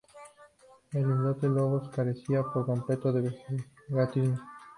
El islote Lobos carece por completo de vegetación.